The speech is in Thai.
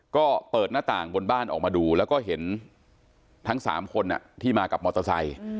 ก็เปิดหน้าต่างบนบ้านออกมาดูแล้วก็เห็นทั้ง๓คนที่มากับมอเตอร์ไซค์